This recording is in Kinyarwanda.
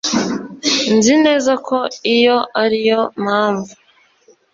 nzi neza ko iyo ari yo mpamvu